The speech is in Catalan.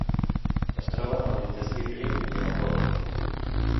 Es troben en l'intestí prim i en el còlon.